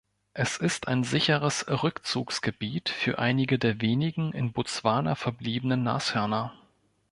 Es ist ein sicheres Rückzugsgebiet für einige der wenigen in Botswana verbliebenen Nashörner.